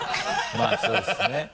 まぁそうですね。